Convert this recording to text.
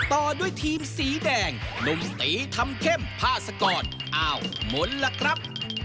ต่อด้วยทีมสีแดงหนุ่มตีทำเข้มพาสกรอ้าวหมุนล่ะครับ